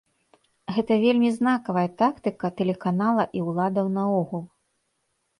Гэта вельмі знакавая тактыка тэлеканала і ўладаў наогул.